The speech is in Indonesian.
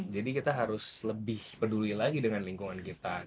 kita harus lebih peduli lagi dengan lingkungan kita